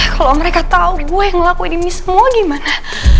kalau mereka tau gue ngelakuin ini semua gimana